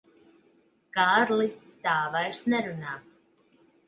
Kārli, tā vairs nerunā.